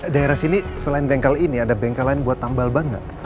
daerah sini selain bengkel ini ada bengkel lain buat tambal banga